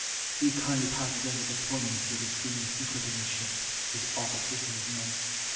He kindly passes over the poignancy of his feelings in quitting his ship, his officers, and his men.